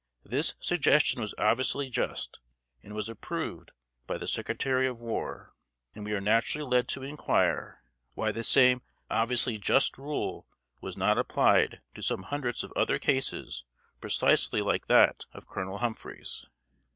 This suggestion was obviously just, and was approved by the Secretary of War; and we are naturally led to inquire, why the same obviously just rule was not applied to some hundreds of other cases precisely like that of Colonel Humphreys?